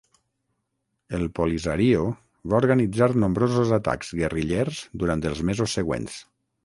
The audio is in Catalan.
El Polisario va organitzar nombrosos atacs guerrillers durant els mesos següents.